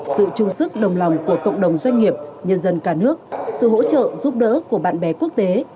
sự trung sức đồng lòng của cộng đồng doanh nghiệp nhân dân cả nước sự hỗ trợ giúp đỡ của bạn bè quốc tế